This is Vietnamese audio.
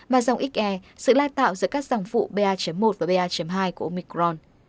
và dòng xe sự lai tạo giữa các dòng phụ pa một và pa hai của omicron